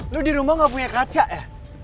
lu di rumah gak punya kaca ya